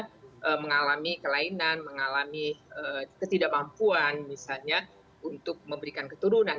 karena mengalami kelainan mengalami ketidakmampuan misalnya untuk memberikan keturunan